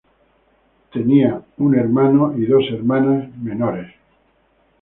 Tenía un hermano menor y dos hermanas menores.